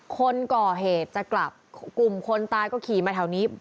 คนก่อเหตุจะกลับกลุ่มคนตายก็ขี่มาแถวนี้